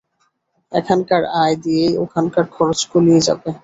এখানকার আয় দিয়েই ওখানকার খরচ কুলিয়ে যাবে।